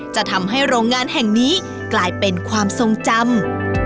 จะทำให้โรงงานแห่งนี้กลายเป็นความทรงจำ